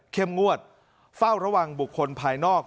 งวดเฝ้าระวังบุคคลภายนอก